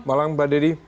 malam mbak deddy